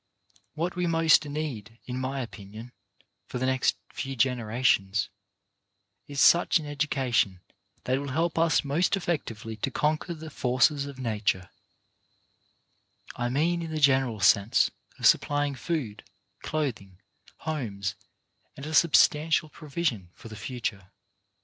What we most need, in my opin ion, for the next few generations, is such an educa tion as will help us most effectually to conquer UNIMPROVED OPPORTUNITIES 121 the forces of nature ;— I mean in the general sense of supplying food, clothing, homes, and a sub stantial provision for the future.